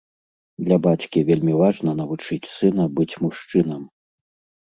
Для бацькі вельмі важна навучыць сына быць мужчынам.